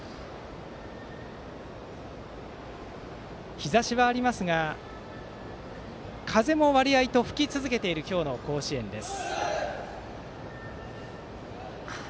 日ざしはありますが風も吹き続けている今日の甲子園です。